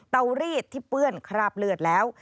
เตารีดที่เปื้อนคราบเลือดแล้ว